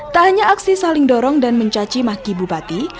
tak hanya aksi saling dorong dan mencaci maki bupati